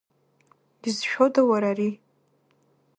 Изшәода, уара, ари?!